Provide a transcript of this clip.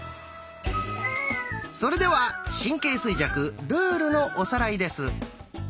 それでは「神経衰弱」ルールのおさらいです。